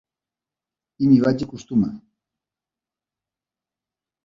I m’hi vaig acostumar.